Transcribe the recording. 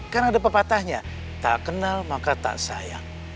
karena ada pepatahnya tak kenal maka tak sayang